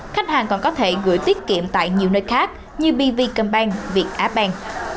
khách hàng còn có thể gửi tiết kiệm tại nhiều nơi khác như bv công ban việt áp ban